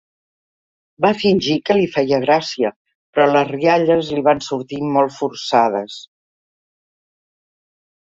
Va fingir que li feia gràcia, però les rialles li van sortir molt forçades.